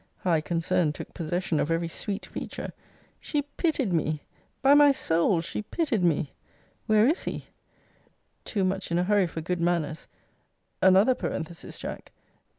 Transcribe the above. High concern took possession of every sweet feature. She pitied me! by my soul, she pitied me! Where is he? Too much in a hurry for good manners, [another parenthesis, Jack!